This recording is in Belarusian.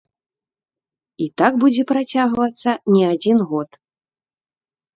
І так будзе працягвацца не адзін год.